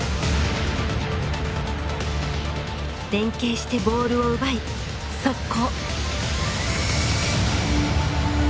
連係してボールを奪い速攻！